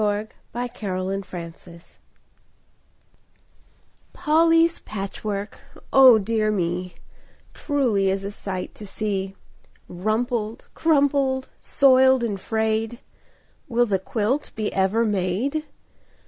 [Pg 5] A Day Dream Polly's patchwork—oh, dear me!— Truly is a sight to see. Rumpled, crumpled, soiled, and frayed— Will the quilt be ever made?